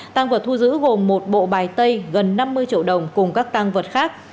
tang vật thu giữ gồm một bộ bài tây gần năm mươi triệu đồng cùng các tang vật khác